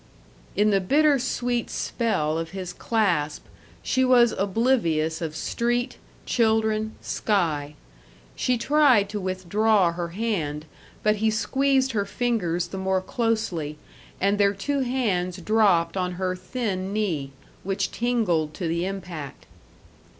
In the bitter sweet spell of his clasp she was oblivious of street, children, sky. She tried to withdraw her hand, but he squeezed her fingers the more closely and their two hands dropped on her thin knee, which tingled to the impact.